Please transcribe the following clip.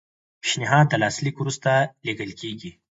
پیشنهاد د لاسلیک وروسته لیږل کیږي.